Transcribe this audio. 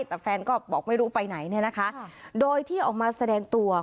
แต่แฟนก็บอกไม่รู้ไปไหนเนี่ยนะคะโดยที่ออกมาแสดงตัว